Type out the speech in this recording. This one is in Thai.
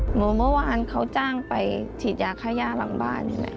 เหมือนเมื่อวานเขาจ้างไปฉีดยาขยาลำบ้าน